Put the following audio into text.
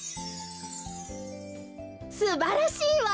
すばらしいわ！